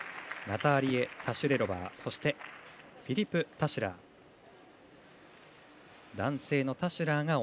ナターリエ・タシュレロバーそして、フィリプ・タシュラー。